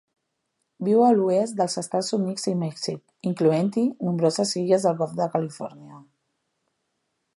Viu a l'oest dels Estats Units i Mèxic, incloent-hi nombroses illes del golf de Califòrnia.